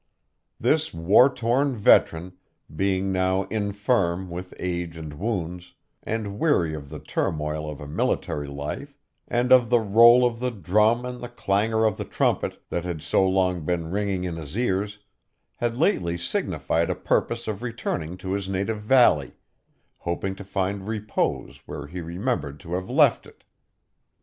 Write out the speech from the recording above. This war worn veteran, being now infirm with age and wounds, and weary of the turmoil of a military life, and of the roll of the drum and the clangor of the trumpet, that had so long been ringing in his ears, had lately signified a purpose of returning to his native valley, hoping to find repose where he remembered to have left it.